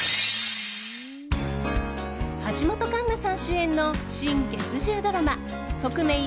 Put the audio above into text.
橋本環奈さん主演の新月１０ドラマ「トクメイ！